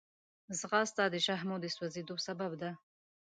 ځغاسته د شحمو د سوځېدو سبب ده